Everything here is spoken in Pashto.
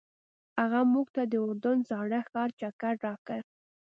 هغه موږ ته د اردن زاړه ښار چکر راکړ.